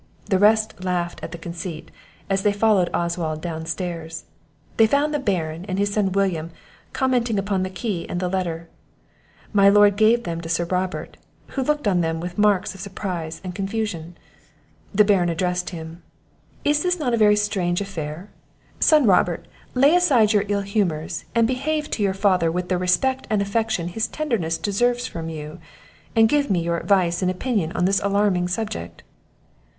The rest laughed at the conceit, as they followed Oswald down stairs. They found the Baron, and his son William, commenting upon the key and the letter. My lord gave them to Sir Robert, who looked on them with marks of surprise and confusion. The Baron addressed him "Is not this a very strange affair? Son Robert, lay aside your ill humours, and behave to your father with the respect and affection his tenderness deserves from you, and give me your advice and opinion on this alarming subject."